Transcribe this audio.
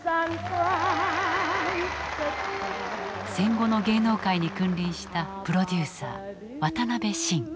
戦後の芸能界に君臨したプロデューサー渡邊晋。